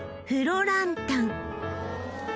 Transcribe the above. フロランタン